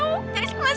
aku mau jadi pacar kamu